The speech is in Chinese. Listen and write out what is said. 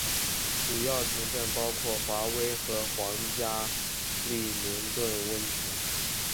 主要城镇包括华威和皇家利明顿温泉。